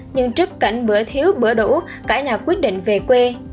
nhưng trước cảnh bữa thiếu bữa cả nhà quyết định về quê